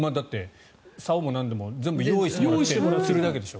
さおもなんでも全部用意してもらって釣るだけでしょ。